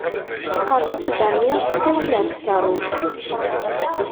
Iqeṛṛeb ujadermi s ttawil ar tkeṛṛust.